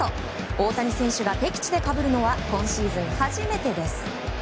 大谷選手が敵地でかぶるのは今シーズン初めてです。